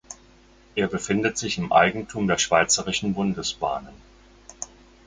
Er befindet sich im Eigentum der Schweizerischen Bundesbahnen.